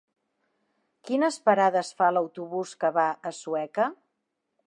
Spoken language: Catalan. Quines parades fa l'autobús que va a Sueca?